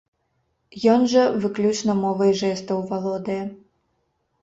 Ён жа выключна мовай жэстаў валодае.